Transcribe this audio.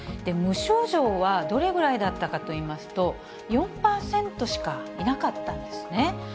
無症状はどれぐらいだったかといいますと、４％しかいなかったんですね。